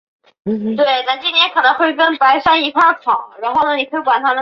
而凤宝钗则为他买来了连衣裙。